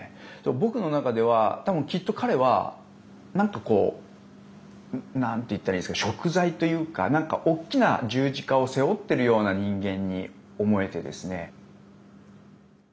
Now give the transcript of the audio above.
僕の中では多分、きっと彼はなんと言ったらいいかしょく罪というか大きな十字架を背負ってるような人間に思えてですね。